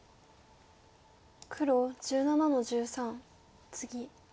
黒１７の十三ツギ。